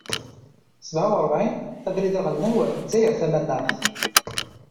Sebɛa uṛebɛin, Abrid aɣelnaw, Lezzayer tamanaɣt.